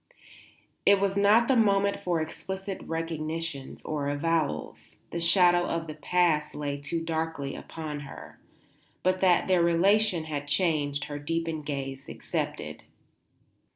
It was not the moment for explicit recognitions or avowals; the shadow of the past lay too darkly upon her. But that their relation had changed her deepened gaze accepted.